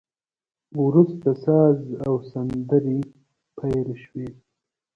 وروسته ساز او سندري پیل شوې.